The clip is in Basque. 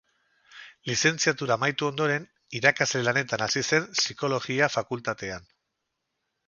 Lizentziatura amaitu ondoren, irakasle lanetan hasi zen Psikologia Fakultatean.